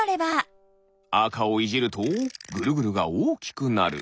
あかをいじるとぐるぐるがおおきくなる。